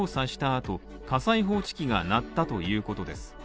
あと火災報知器が鳴ったということです。